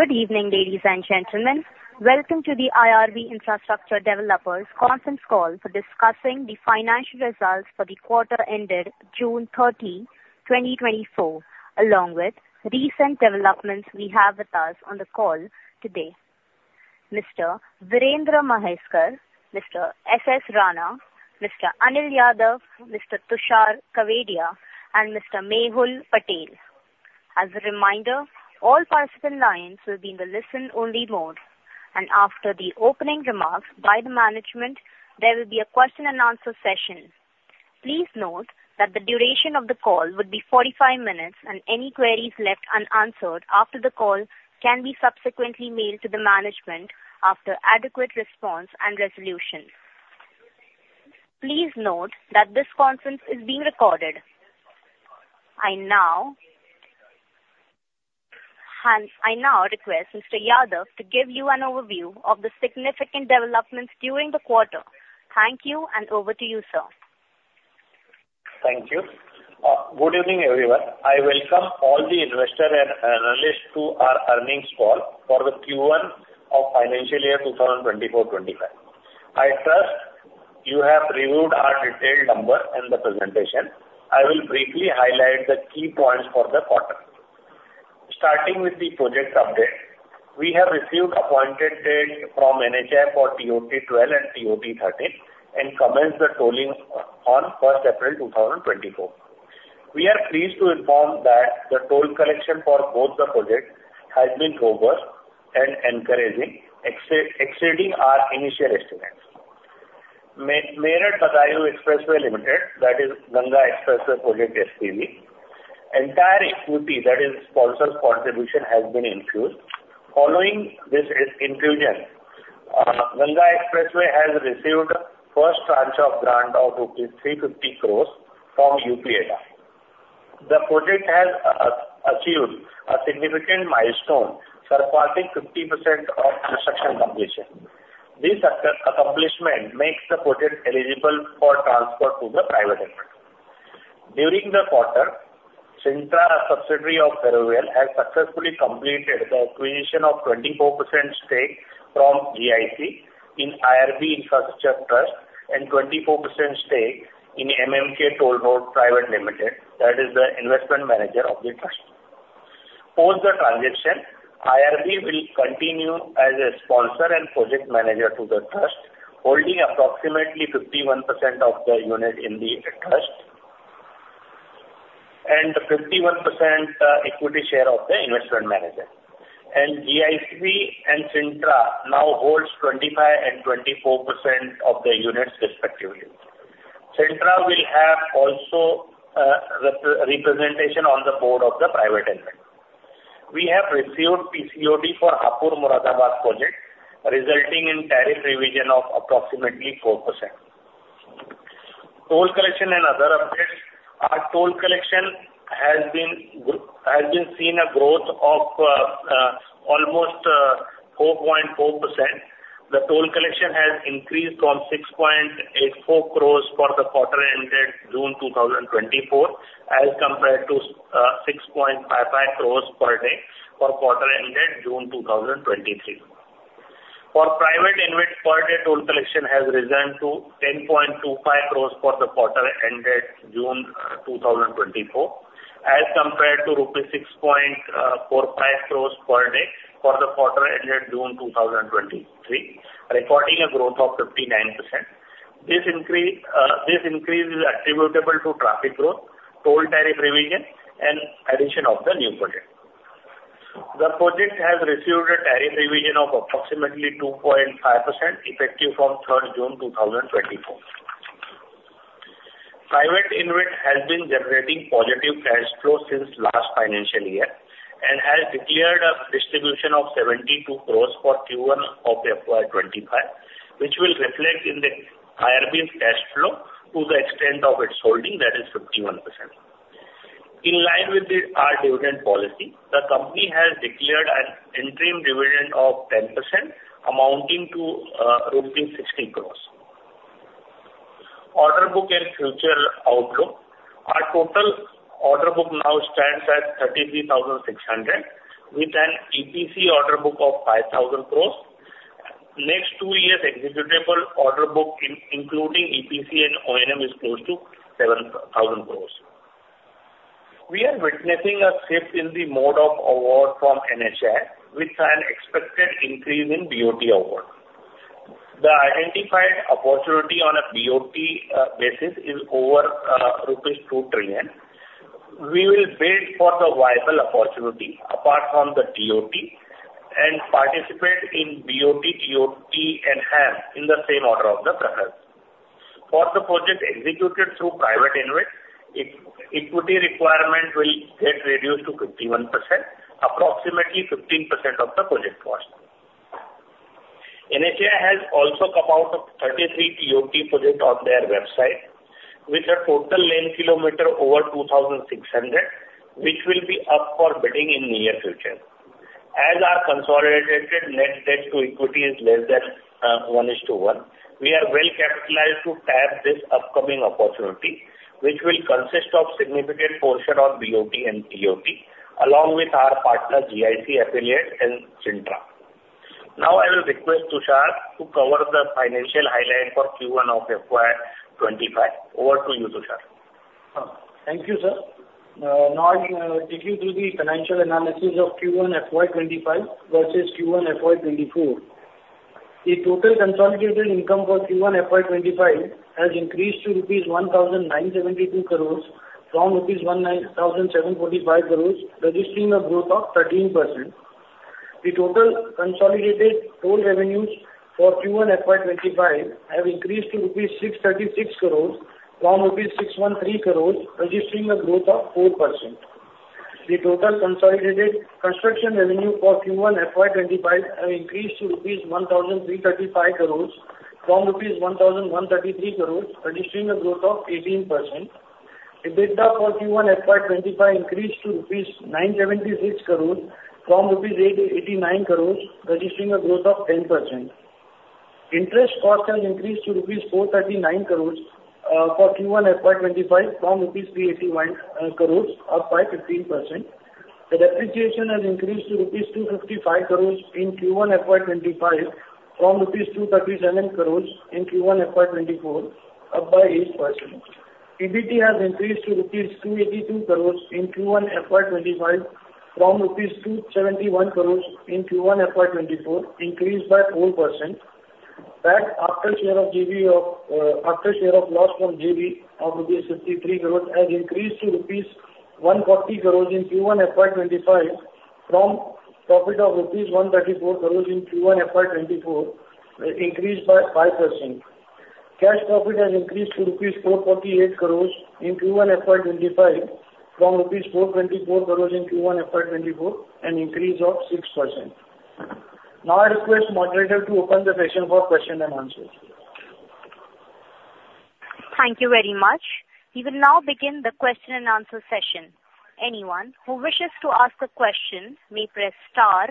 Good evening, ladies and gentlemen. Welcome to the IRB Infrastructure Developers conference call for discussing the financial results for the quarter ended June 30, 2024, along with recent developments. We have with us on the call today, Mr. Virendra Mhaiskar, Mr. S.S. Rana, Mr. Anil Yadav, Mr. Tushar Kawedia, and Mr. Mehul Patel. As a reminder, all participant lines will be in the listen-only mode, and after the opening remarks by the management, there will be a question and answer session. Please note that the duration of the call will be 45 minutes, and any queries left unanswered after the call can be subsequently mailed to the management after adequate response and resolution. Please note that this conference is being recorded. I now request Mr. Yadav to give you an overview of the significant developments during the quarter. Thank you, and over to you, sir. Thank you. Good evening, everyone. I welcome all the investors and analysts to our earnings call for the Q1 of financial year 2024, 2025. I trust you have reviewed our detailed numbers and the presentation. I will briefly highlight the key points for the quarter. Starting with the project update, we have received appointed date from NHAI for TOT-12 and TOT-13, and commenced the tolling on first April 2024. We are pleased to inform that the toll collection for both the projects has been robust and encouraging, exceeding our initial estimates. Meerut Budaun Expressway Limited, that is Ganga Expressway Project SPV, entire equity, that is sponsor contribution, has been infused. Following this infusion, Ganga Expressway has received first tranche of grant of INR 350 crore from UPEIDA. The project has achieved a significant milestone, surpassing 50% of construction completion. This accomplishment makes the project eligible for transfer to the private entity. During the quarter, Cintra, a subsidiary of Ferrovial, has successfully completed the acquisition of 24% stake from GIC in IRB Infrastructure Trust and 24% stake in MMK Toll Road Private Limited, that is the investment manager of the trust. Post the transaction, IRB will continue as a sponsor and project manager to the trust, holding approximately 51% of the unit in the trust, and 51% equity share of the investment manager. GIC and Cintra now holds 25% and 24% of the units respectively. Cintra will have also representation on the board of the private entity. We have received PCOD for Hapur Moradabad Project, resulting in tariff revision of approximately 4%. Toll collection and other updates. Our toll collection has been seeing a growth of almost 4.4%. The toll collection has increased from 6.84 crores for the quarter ended June 2024, as compared to 6.55 crores per day for quarter ended June 2023. For private InvIT, per day toll collection has risen to 10.25 crores for the quarter ended June 2024, as compared to rupees 6.45 crores per day for the quarter ended June 2023, recording a growth of 59%. This increase is attributable to traffic growth, toll tariff revision, and addition of the new project. The project has received a tariff revision of approximately 2.5%, effective from third June 2024. Private InvIT has been generating positive cash flow since last financial year, and has declared a distribution of 72 crore for Q1 of FY 2025, which will reflect in the IRB's cash flow to the extent of its holding, that is 51%. In line with our dividend policy, the company has declared an interim dividend of 10%, amounting to rupees 60 crore. Order book and future outlook. Our total order book now stands at 33,600 crore, with an EPC order book of 5,000 crore. Next two years executable order book, including EPC and O&M, is close to 7,000 crore. We are witnessing a shift in the mode of award from NHAI, with an expected increase in BOT awards. The identified opportunity on a BOT basis is over rupees 2 trillion. We will wait for the viable opportunity, apart from the TOT, and participate in BOT, TOT, and HAM, in the same order of the preference. For the project executed through private InvIT, equity requirement will get reduced to 51%, approximately 15% of the project cost. NHAI has also come out with 33 TOT projects on their website, with a total lane kilometer over 2,600, which will be up for bidding in near future. As our consolidated net debt to equity is less than 1:1, we are well capitalized to tap this upcoming opportunity, which will consist of significant portion of BOT and TOT, along with our partner GIC affiliate and Cintra. Now I will request Tushar to cover the financial highlight for Q1 of FY 2025. Over to you, Tushar. Thank you, sir. Now I'll take you through the financial analysis of Q1 FY 2025 versus Q1 FY 2024. The total consolidated income for Q1 FY 2025 has increased to rupees 1,972 crore from rupees 1,745 crore, registering a growth of 13%. The total consolidated toll revenues for Q1 FY 2025 have increased to rupees 636 crore from rupees 613 crore, registering a growth of 4%. The total consolidated construction revenue for Q1 FY 2025 have increased to rupees 1,335 crore from rupees 1,133 crore, registering a growth of 18%. EBITDA for Q1 FY 2025 increased to INR 976 crore from INR 889 crore, registering a growth of 10%. Interest cost has increased to INR 439 crore for Q1 FY 2025, from INR 381 crore, up by 15%. The depreciation has increased to INR 255 crore in Q1 FY 2025 from INR 237 crore in Q1 FY 2024, up by 8%. PBT has increased to rupees 282 crore in Q1 FY 2025 from rupees 271 crore in Q1 FY 2024, increased by 4%. That after share of JV of, after share of loss from JV of rupees 53 crore has increased to rupees 140 crore in Q1 FY 2025, from profit of rupees 134 crore in Q1 FY 2024, increased by 5%. Cash profit has increased to rupees 448 crore in Q1 FY 2025 from rupees 424 crore in Q1 FY 2024, an increase of 6%. Now I request moderator to open the session for question and answers. Thank you very much. We will now begin the question and answer session. Anyone who wishes to ask a question may press star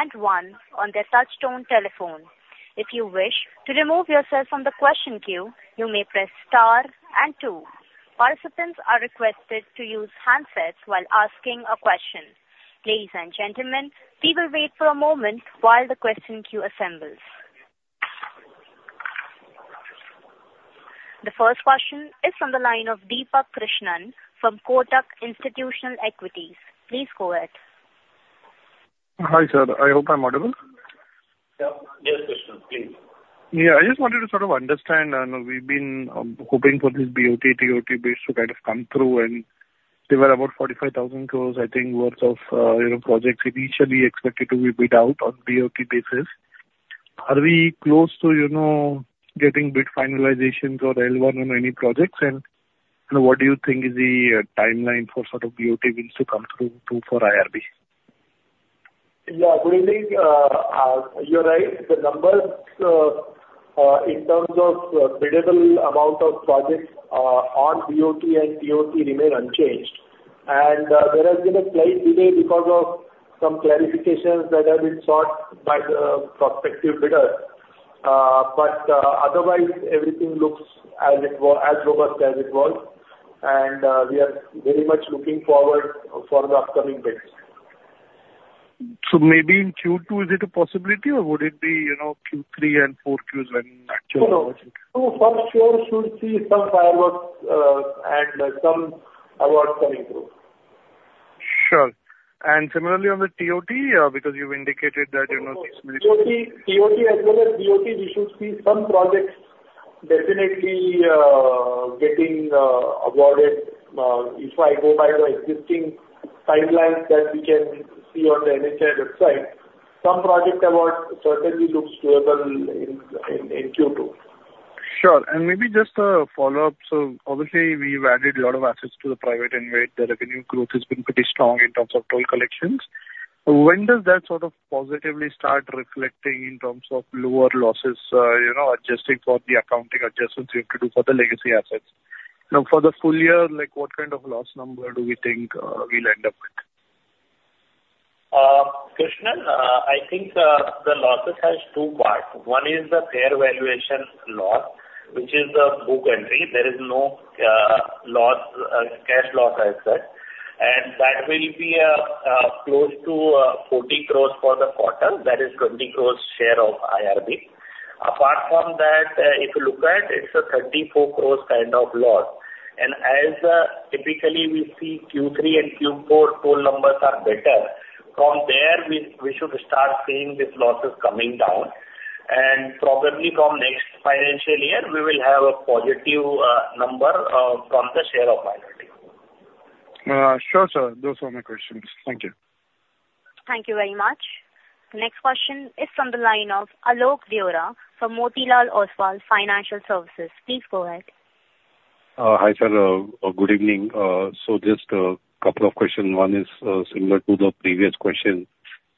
and one on their touchtone telephone. If you wish to remove yourself from the question queue, you may press star and two. Participants are requested to use handsets while asking a question. Ladies and gentlemen, we will wait for a moment while the question queue assembles. The first question is from the line of Deepak Krishnan from Kotak Institutional Equities. Please go ahead. Hi, sir, I hope I'm audible? Yeah. Yes, Krishnan, please. Yeah, I just wanted to sort of understand, we've been hoping for this BOT, TOT bids to kind of come through, and they were about 45,000 crore, I think, worth of, you know, projects initially expected to be bid out on BOT basis. Are we close to, you know, getting bid finalizations or L1 on any projects? And what do you think is the timeline for sort of BOT bids to come through to, for IRB? Yeah, good evening. You're right. The numbers in terms of biddable amount of projects on BOT and TOT remain unchanged. And there has been a slight delay because of some clarifications that have been sought by the prospective bidders. But otherwise, everything looks as robust as it was. And we are very much looking forward for the upcoming bids. Maybe in Q2, is it a possibility, or would it be, you know, Q3 and four Qs when actually? No, for sure should see some fireworks, and some awards coming through. Sure. And similarly on the TOT, because you've indicated that, you know- TOT, TOT as well as BOT, we should see some projects definitely getting awarded. If I go by the existing timelines that we can see on the NHAI website, some project awards certainly looks doable in Q2. Sure. And maybe just a follow-up. So obviously, we've added a lot of assets to the private InvIT. The revenue growth has been pretty strong in terms of toll collections. When does that sort of positively start reflecting in terms of lower losses, you know, adjusting for the accounting adjustments you have to do for the legacy assets? Now, for the full year, like, what kind of loss number do we think we'll end up with? Krishnan, I think, the losses has two parts. One is the fair valuation loss, which is a book entry. There is no, loss, cash loss, I said. And that will be, close to, 40 crore for the quarter. That is 20 crore share of IRB. Apart from that, if you look at, it's a 34 crore kind of loss. And as, typically we see Q3 and Q4 toll numbers are better. From there, we should start seeing these losses coming down. And probably from next financial year, we will have a positive, number, from the share of IRB. Sure, sir. Those were my questions. Thank you. Thank you very much. Next question is from the line of Alok Deora from Motilal Oswal Financial Services. Please go ahead. Hi, sir, good evening. So just a couple of questions. One is, similar to the previous question.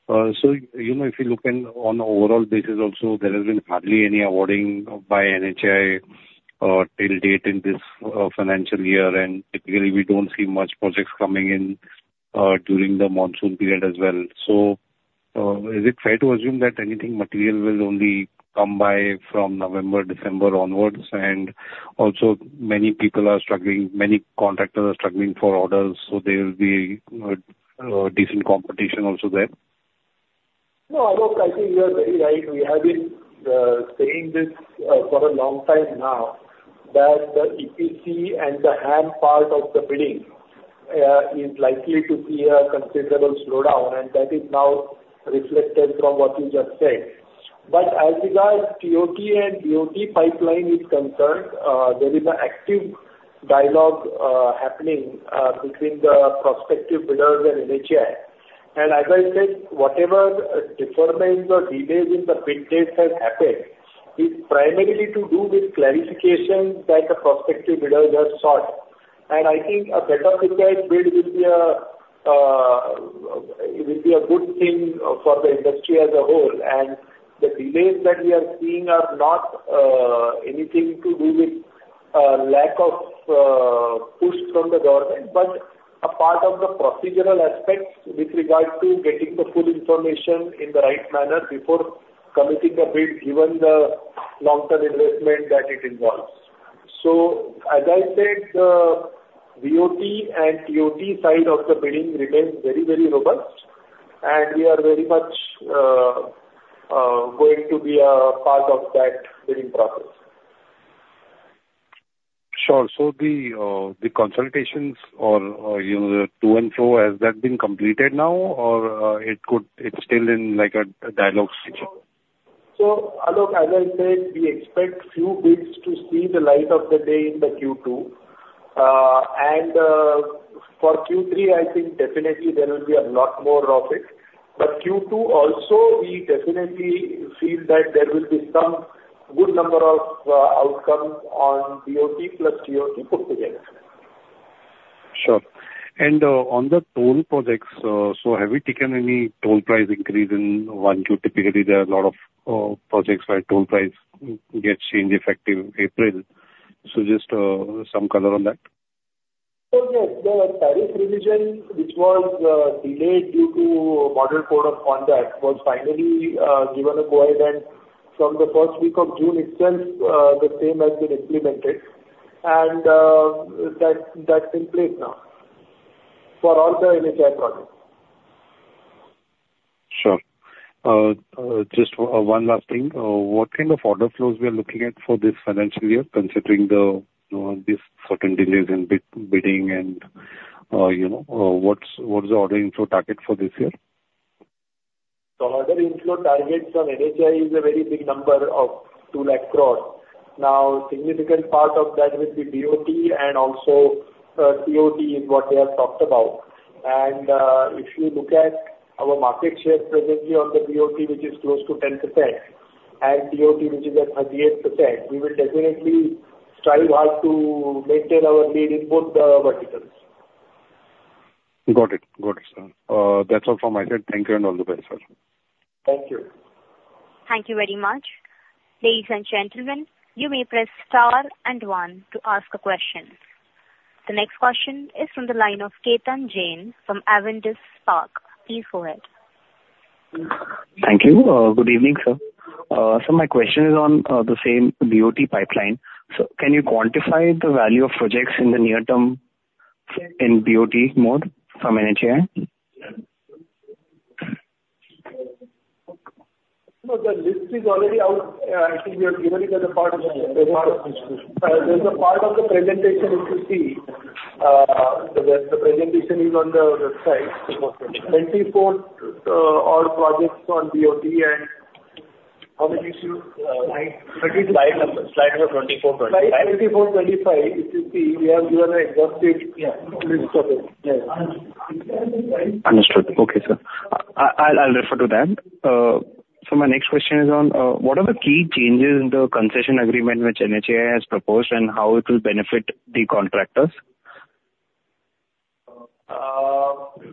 So you know, if you look in on overall basis also, there has been hardly any awarding by NHAI, till date in this, financial year, and typically, we don't see much projects coming in, during the monsoon period as well. So is it fair to assume that anything material will only come by from November, December onwards? And also, many people are struggling, many contractors are struggling for orders, so there will be decent competition also there. No, Alok, I think you are very right. We have been saying this for a long time now, that the EPC and the HAM part of the bidding is likely to see a considerable slowdown, and that is now reflected from what you just said. But as regards TOT and BOT pipeline is concerned, there is an active dialogue happening between the prospective bidders and NHAI. And as I said, whatever deferments or delays in the bid dates has happened, is primarily to do with clarifications that the prospective bidders have sought. And I think a better prepared bid will be, it will be a good thing for the industry as a whole. The delays that we are seeing are not anything to do with lack of push from the government, but a part of the procedural aspects with regards to getting the full information in the right manner before committing a bid, given the long-term investment that it involves. So as I said, the BOT and TOT side of the bidding remains very, very robust, and we are very much going to be a part of that bidding process. Sure. So the consultations or, you know, the to-and-fro, has that been completed now, or it could, it's still in, like, a dialogue stage? So, Alok, as I said, we expect few bids to see the light of the day in the Q2. For Q3, I think definitely there will be a lot more of it. But Q2 also, we definitely feel that there will be some good number of outcomes on BOT plus TOT put together. Sure. And, on the toll projects, so have you taken any toll price increase in 1Q? Typically, there are a lot of projects where toll price gets changed effective April. So just, some color on that. So yes, the tariff revision, which was delayed due to Model Code of Conduct, was finally given a go-ahead, and from the first week of June itself, the same has been implemented. And that's in place now for all the NHAI projects. Sure. Just one last thing. What kind of order flows we are looking at for this financial year, considering the this certain delays in bid, bidding and, you know, what is the order inflow target for this year? The order inflow targets on NHAI is a very big number of 200,000 crore. Now, significant part of that will be BOT and also, TOT is what we have talked about. And, if you look at our market share presently on the BOT, which is close to 10%, and TOT, which is at 38%, we will definitely strive hard to maintain our lead in both the verticals. Got it. Got it, sir. That's all from my side. Thank you, and all the best, sir. Thank you. Thank you very much. Ladies and gentlemen, you may press star and one to ask a question. The next question is from the line of Ketan Jain from Avendus Spark. Please go ahead. Thank you. Good evening, sir. My question is on the same BOT pipeline. Can you quantify the value of projects in the near term, say, in BOT mode from NHAI? No, the list is already out. I think we have given you the report. There's a part of the presentation, if you see, the presentation is on the website. 24, all projects on BOT, and how many issues? Slide number 24. Slide 24, 25, if you see, we have given an exhaustive- Yeah. List of it. Yeah. Understood. Okay, sir. I'll, I'll refer to that. So my next question is on what are the key changes in the concession agreement which NHAI has proposed, and how it will benefit the contractors?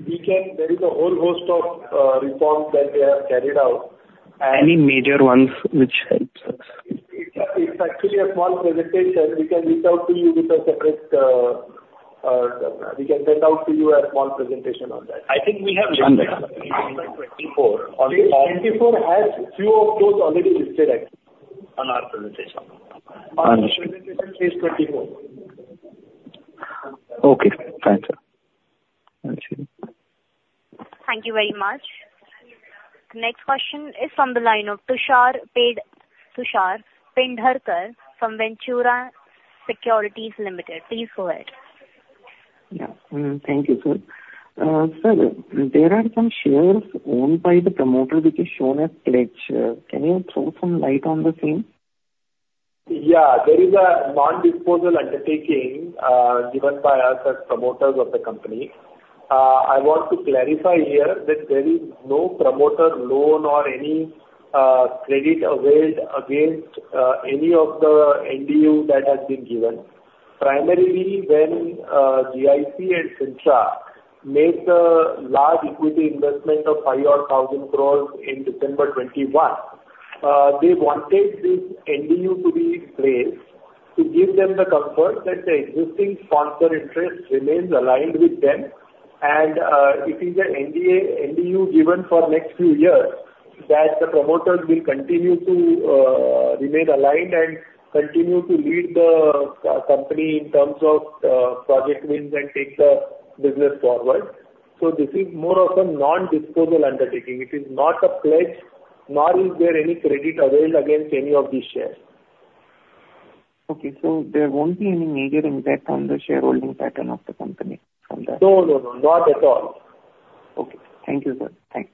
There is a whole host of reforms that they have carried out, and- Any major ones which helps us? It's actually a small presentation. We can reach out to you with a separate, we can send out to you a small presentation on that. I think we have on there, slide 24. 24 has few of those already listed actually. On our presentation. Our presentation, page 24. Okay. Thanks, sir. I'll see. Thank you very much. Next question is from the line of Tushar Pendharkar from Ventura Securities Ltd. Please go ahead. Yeah. Thank you, sir. Sir, there are some shares owned by the promoter, which is shown as pledged. Can you throw some light on the same? Yeah, there is a non-disposal undertaking, given by us as promoters of the company. I want to clarify here that there is no promoter loan or any, credit availed against, any of the NDU that has been given. Primarily, when, GIC and Cintra made a large equity investment of 5,000 crore in December 2021. They wanted this NDU to be in place to give them the comfort that the existing sponsor interest remains aligned with them, and, it is an NDA, NDU given for next few years, that the promoters will continue to, remain aligned and continue to lead the, company in terms of, project wins and take the business forward. So this is more of a non-disposal undertaking. It is not a pledge, nor is there any credit availed against any of these shares. Okay. So there won't be any major impact on the shareholding pattern of the company from that? No, no, no. Not at all. Okay. Thank you, sir. Thanks.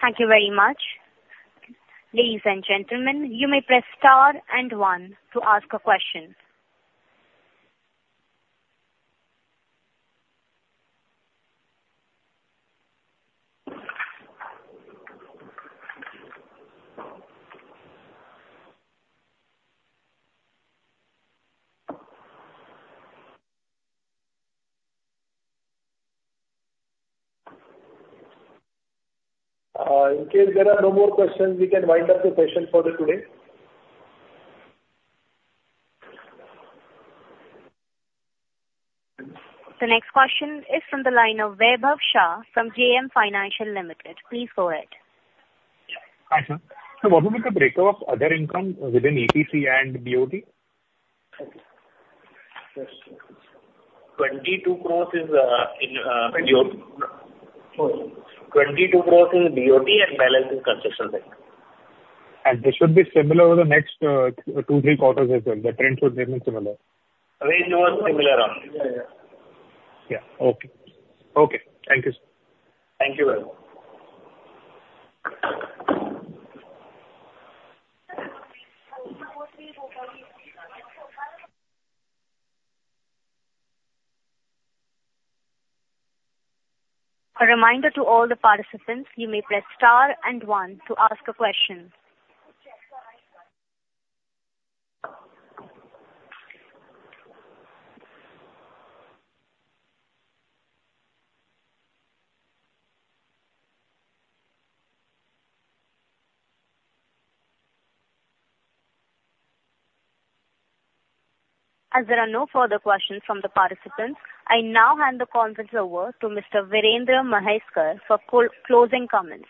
Thank you very much. Ladies and gentlemen, you may press star and one to ask a question. In case there are no more questions, we can wind up the session for today. The next question is from the line of Vaibhav Shah from JM Financial Limited. Please go ahead. Hi, sir. What would be the break-up of other income within EPC and BOT? 22 crore is in BOT. Sorry. 22 crore in BOT and balance in construction bank. This should be similar over the next two, three quarters as well. The trend should remain similar? The range was similar. Yeah, yeah. Yeah. Okay. Okay. Thank you, sir. Thank you very much. A reminder to all the participants, you may press star and one to ask a question. As there are no further questions from the participants, I now hand the conference over to Mr. Virendra Mhaiskar for closing comments.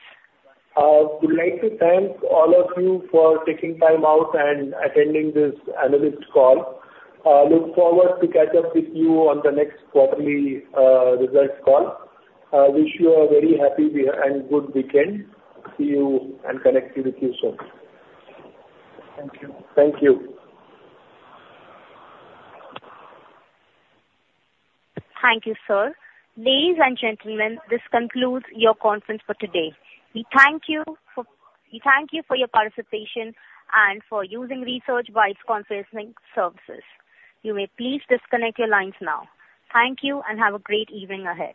We'd like to thank all of you for taking time out and attending this analyst call. Look forward to catch up with you on the next quarterly results call. Wish you a very happy week and good weekend. See you and connecting with you soon. Thank you. Thank you. Thank you, sir. Ladies and gentlemen, this concludes your conference for today. We thank you for, we thank you for your participation and for using ResearchBytes Conferencing services. You may please disconnect your lines now. Thank you, and have a great evening ahead.